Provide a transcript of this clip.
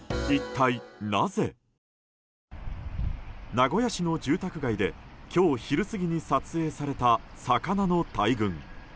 名古屋市の住宅街で今日昼過ぎに撮影された魚の大群。